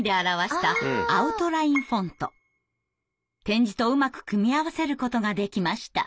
点字とうまく組み合わせることができました。